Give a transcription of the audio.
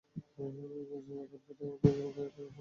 সোয়াকার্পেট থেকে অন্য এলাকায় ফরোয়ার্ড করেছে, স্যার।